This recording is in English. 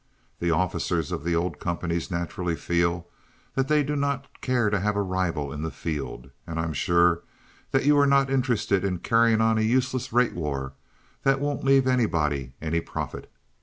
The officers of the old companies naturally feel that they do not care to have a rival in the field, and I'm sure that you are not interested in carrying on a useless rate war that won't leave anybody any profit.